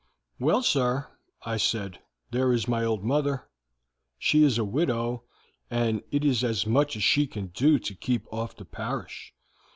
"'Well, sir,' I said, 'there is my old mother. She is a widow, and it is as much as she can do to keep off the parish.